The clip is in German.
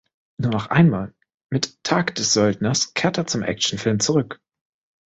Nur noch einmal, mit "Tag des Söldners", kehrte er zum Actionfilm zurück.